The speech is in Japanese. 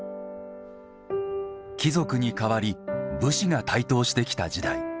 貴族に代わり武士が台頭してきた時代。